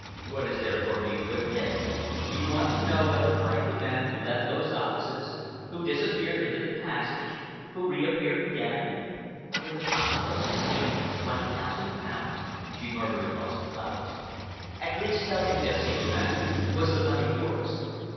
"What is there for me to admit? Do you want to know whether I am the man who left those offices, who disappeared into the passage, who reappeared again—" "With a pocket book containing twenty thousand pounds," she murmured across the flowers. "At least tell me this?" he demanded. "Was the money yours?"